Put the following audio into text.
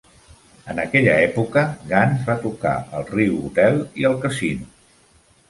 En aquella època, Gans va tocar al Rio Hotel i al Casino.